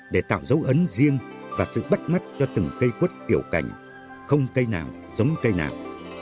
để tạo dấu ấn riêng và sự bắt mắt cho từng cây quất tiểu cành không cây nào giống cây nào